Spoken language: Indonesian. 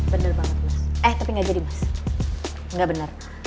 bener banget mas eh tapi gak jadi mas nggak bener